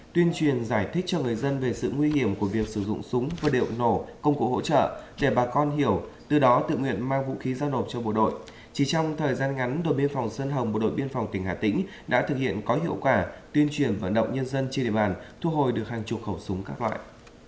tại hà tĩnh đồn biên phòng sơn hồng bộ đội biên phòng tỉnh hà tĩnh vừa thực hiện có hiệu quả việc tuyên truyền vận động nhân dân trên địa bàn thu hồi được một mươi khẩu súng các loại